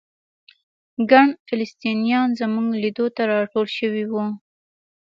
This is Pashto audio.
ګڼ فلسطینیان زموږ لیدو ته راټول شوي وو.